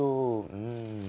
うん。